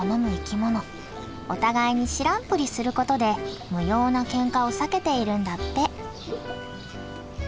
お互いに知らんぷりすることで無用なケンカを避けているんだって。